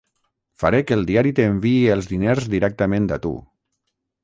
Faré que el diari t'enviï els diners directament a tu.